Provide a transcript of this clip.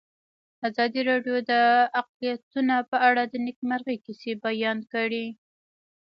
ازادي راډیو د اقلیتونه په اړه د نېکمرغۍ کیسې بیان کړې.